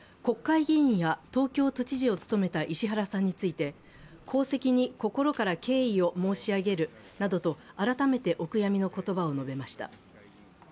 国会議員や東京都知事を務めた石原さんについて功績に心から敬意を申し上げるなどと改めてお悔やみの言葉を述べました。